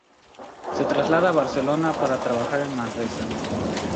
Se traslada a Barcelona, para trabajar en Manresa.